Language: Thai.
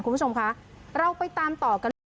คุณผู้ชมคะเราไปตามต่อกันด้วย